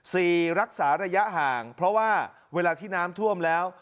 สี่รักษาระยะห่างเพราะว่าเวลาที่น้ำท่วมแล้ว